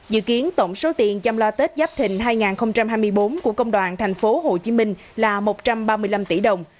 dự kiến tổng số tiền chăm lo tết giáp thình hai nghìn hai mươi bốn của công đoàn tp hcm là một trăm ba mươi năm tỷ đồng